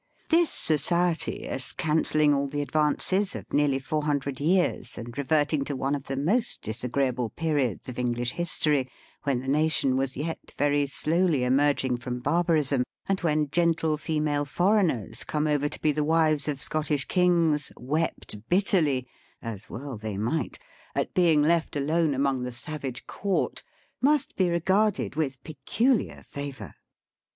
This society, as cancelling all the advances of nearly four hundred years, and reverting to one of the most disagreeable periods of English History, when the Nation was yet very slowly emerging from barbarism, and when gentle female foreigners, come over to be the wives of Scottish Kings, wept bitterly (as well they might) at being left alone among the savage Court, must be re garded with peculiar favour.